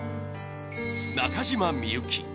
中島みゆき